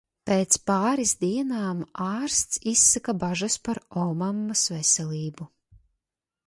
Pēc pāris dienām ārsts izsaka bažas par omammas veselību.